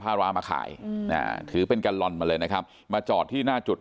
ร้านมาขายถือเป็นกัลลอนมาเลยนะครับมาจอดที่หน้าจุด